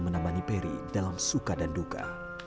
menemani perry dalam suka dan duka